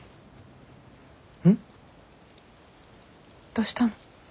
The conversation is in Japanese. どしたの？